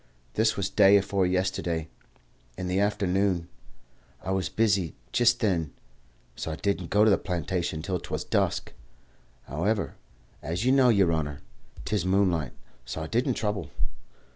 This was day afore yesterday, in the afternoon. I was busy jist then, so I didn't go to the plantation till 'twas dusk. However, as you know, yer honour, 'tis moonlight, so I didn't trouble.